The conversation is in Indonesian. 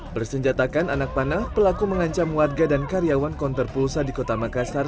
bersenjatakan anak panah pelaku mengancam warga dan karyawan konter pulsa di kota makassar